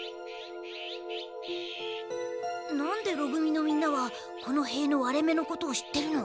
なんでろ組のみんなはこの塀のわれ目のことを知ってるの？